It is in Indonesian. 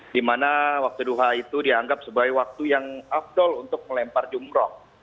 di mana waktu duha itu dianggap sebagai waktu yang afdol untuk melempar jumroh